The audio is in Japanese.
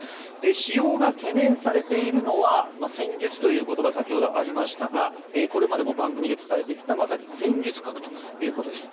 使用が懸念されているのは戦術という言葉が先ほどありましたがこれまでも番組で伝えてきたまさに戦術核ということです。